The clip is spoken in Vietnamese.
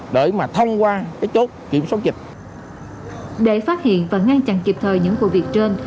để phát hiện và ngăn chặn kịp thời những vụ việc trên